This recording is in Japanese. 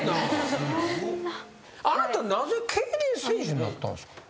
あなたなぜ競輪選手になったんですか？